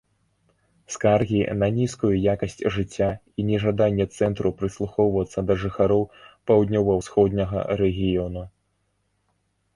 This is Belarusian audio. Скаргі на нізкую якасць жыцця і нежаданне цэнтру прыслухоўвацца да жыхароў паўднёва-усходняга рэгіёну.